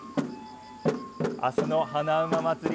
あすの花馬祭り